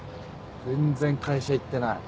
全然会社行ってない。